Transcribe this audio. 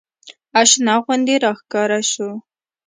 اشنا غوندې راښکاره سو.